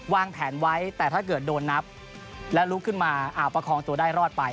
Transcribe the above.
วางแผนไว้แต่ถ้าเกิดโดนนับและลุกขึ้นมาอาบประคองตัวได้รอดไป